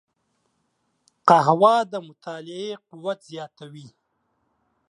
قهوه د مطالعې قوت زیاتوي